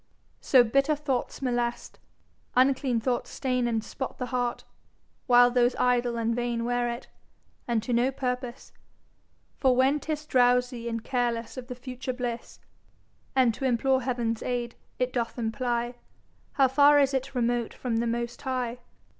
So, bitter thoughts molest, uncleane thoughts staine And spot the Heart; while those idle and vaine Weare it, and to no purpose. For when 'tis Drowsie and carelesse of the future blisse, And to implore Heav'n's aid, it doth imply How far is it remote from the most High.